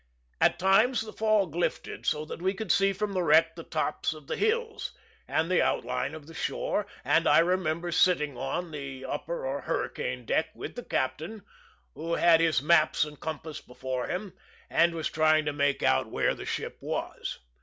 At times the fog lifted so that we could see from the wreck the tops of the hills, and the outline of the shore; and I remember sitting on, the upper or hurricane deck with the captain, who had his maps and compass before him, and was trying to make out where the ship was.